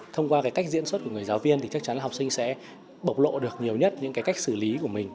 thông qua cái cách diễn xuất của người giáo viên thì chắc chắn là học sinh sẽ bộc lộ được nhiều nhất những cái cách xử lý của mình